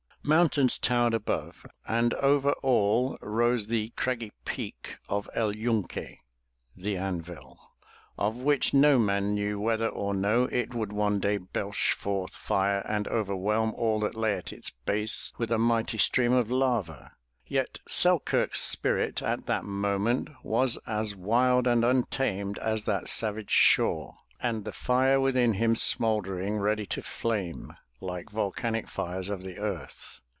Mountains towered above, and over all rose the craggy peak of El Yunque (the Anvil) of v/hich no man knew whether or no it would one day belch forth fire and overwhelm all that lay at its base with a mighty stream of lava. Yet Selkirk's spirit, at that moment, was as wild and untamed as that savage shore, and the fire within him smouldering, ready to flame, like volcanic fires of the earth.